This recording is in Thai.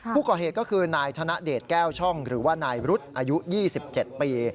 ผู้ก่อเหตุก็คือนายธนเดชแก้วช่องหรือว่านายรุษอายุ๒๗ปี